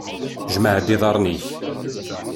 Jmeε-d iḍarren-ik!